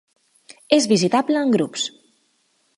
És visitable en grups.